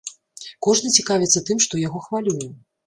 Кожны цікавіцца тым, што яго хвалюе.